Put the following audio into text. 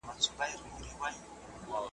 بيا به تاوکي چنګ برېتونه .